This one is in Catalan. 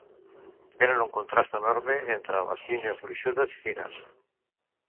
Tenen un contrast enorme entre les línies gruixudes i fines.